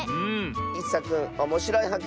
いっさくんおもしろいはっ